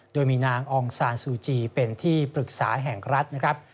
โดยมีนางอองซานซูจีเป็นที่ปรึกษาแห่งรัฐนะครับ